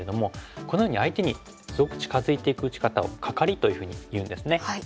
このように相手にすごく近づいていく打ち方を「カカリ」というふうにいうんですね。